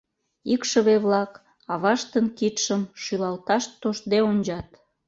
Икшыве-влак, аваштын кидшым шӱлалташ тоштде ончат.